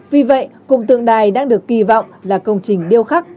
vì vậy cùng tượng đài đang được kỳ vọng là công trình điêu khắc